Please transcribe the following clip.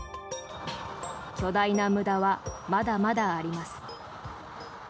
巨大な無駄はまだまだあります。